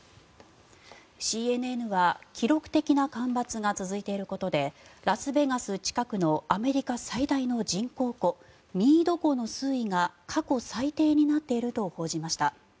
ＣＮＮは記録的な干ばつが続いていることでラスベガス近くのアメリカ最大の人工湖ミード湖の水位が過去最低になっていると報じました。